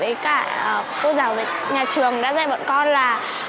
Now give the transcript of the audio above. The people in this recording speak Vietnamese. bố mẹ với cả cô giáo về nhà trường đã dạy bọn con là